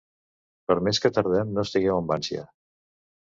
Per més que tardem, no estigueu amb ànsia.